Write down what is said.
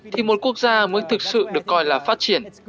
thì một quốc gia mới thực sự được coi là phát triển